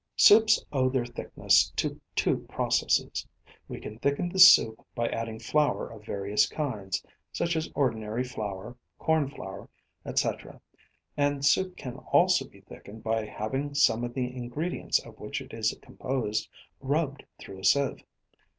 Soups owe their thickness to two processes. We can thicken the soup by adding flour of various kinds, such as ordinary flour, corn flour, &c., and soup can also be thickened by having some of the ingredients of which it is composed rubbed through a sieve.